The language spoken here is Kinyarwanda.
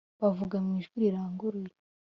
Bavuga mu ijwi riranguruye